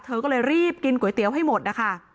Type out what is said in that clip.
เธอก็เลยรีบกินก๋วยเตี๋ยวให้หมดนะคะ